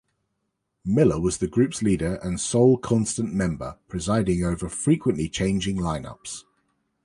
Miller was the group's leader and sole constant member, presiding over frequently changing line-ups.